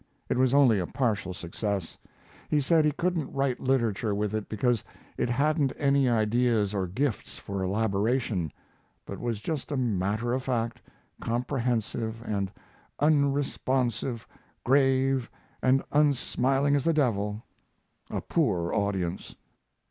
It was only a partial success. He said he couldn't write literature with it because it hadn't any ideas or gift for elaboration, but was just as matter of fact, compressive and unresponsive, grave and unsmiling as the devil a poor audience.